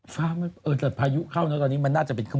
ฟ้าไม่เปิดแต่พายุเข้าเนอะตอนนี้มันน่าจะเป็นคลึม